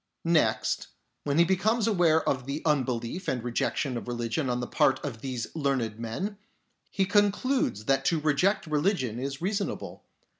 Next, when he becomes aware of the unbelief and rejection of religion on the part of these learned men, he concludes that to reject religion is reasonable.